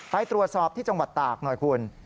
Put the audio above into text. ไปตรวจสอบที่จังหวัดตากหน่อยคุณ